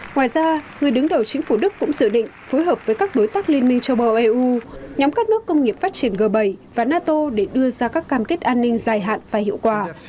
ngoài ra người đứng đầu chính phủ đức cũng dự định phối hợp với các đối tác liên minh châu âu eu nhóm các nước công nghiệp phát triển g bảy và nato để đưa ra các cam kết an ninh dài hạn và hiệu quả